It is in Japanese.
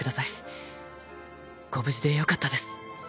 ご無事でよかったです。